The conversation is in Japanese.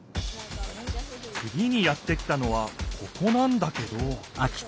つぎにやって来たのはここなんだけどどう？